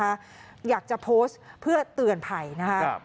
หรืออยากจะโพสท์เพื่อเตือนไผ่นะคะ